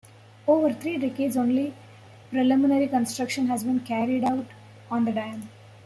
Over three decades only preliminary construction has been carried out on the dam.